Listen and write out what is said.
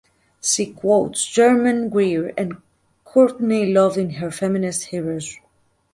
She quotes Germaine Greer and Courtney Love in her feminist heroes.